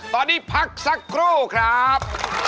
ตอนนี้พักสักครู่ครับ